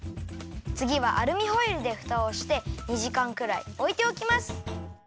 つぎはアルミホイルでふたをして２じかんくらいおいておきます！